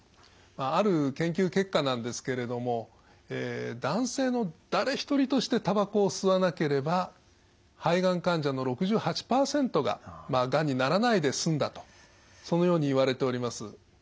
ある研究結果なんですけれども男性の誰一人としてたばこを吸わなければ肺がん患者の６８％ががんにならないで済んだとそのようにいわれております。